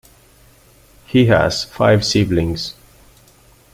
He has five siblings.